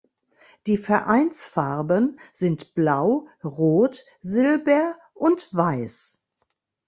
Die Vereinsfarben sind blau, rot, silber und weiß.